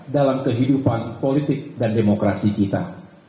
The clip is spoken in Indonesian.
dalam kehidupan politik dan demokrasi kita